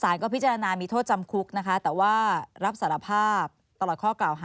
พิจารณามีโทษจำคุกนะคะแต่ว่ารับสารภาพตลอดข้อกล่าวหา